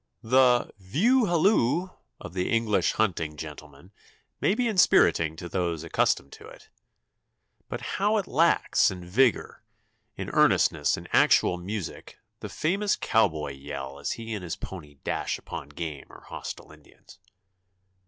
The "view halloo" of the English hunting gentleman may be inspiriting to those accustomed to it, but how it lacks in vigor, in earnestness, in actual music, the famous cowboy yell as he and his pony dash upon game or hostile Indians.